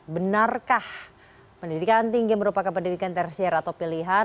benarkah pendidikan tinggi merupakan pendidikan tersier atau pilihan